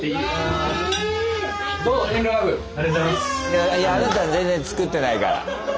いやあなた全然作ってないから。